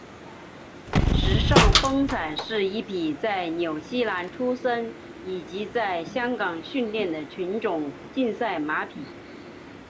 时尚风采是一匹在纽西兰出生以及在香港训练的纯种竞赛马匹。